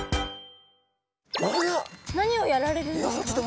あら！？何をやられるんですか？